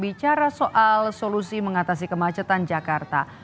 bicara soal solusi mengatasi kemacetan jakarta